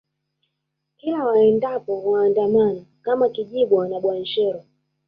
Kila wendapo wanaandamana kama kijibwa na Bwanshero